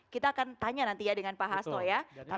kita akan tanya nanti ya dengan pak hasto ya